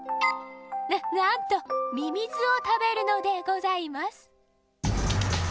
ななんとミミズをたべるのでございます。